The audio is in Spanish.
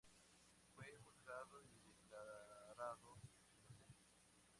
Fue juzgado y declarado inocente.